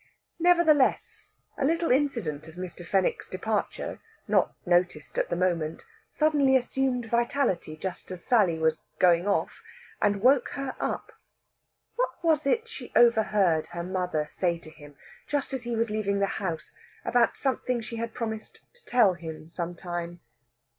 Nevertheless, a little incident of Mr. Fenwick's departure, not noticed at the moment, suddenly assumed vitality just as Sally was "going off," and woke her up. What was it she overheard her mother say to him, just as he was leaving the house, about something she had promised to tell him some time?